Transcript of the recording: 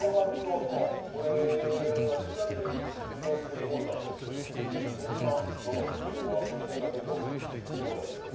これはちなみに自動追跡ホルダー三島殿、和風に変換するとどうなるでしょう？